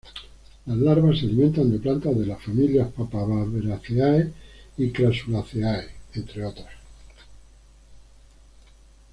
Las larvas se alimentan de plantas de las familias Papaveraceae y Crassulaceae entre otras.